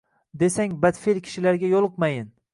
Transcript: Desang badfel kishilarga yuliqmayin